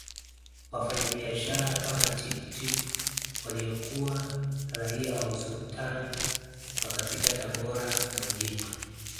Wafanyabiashara kama Tippu Tip waliokuwa raia wa Usultani wakapita Tabora na Ujiji